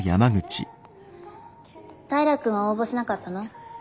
平君は応募しなかったの？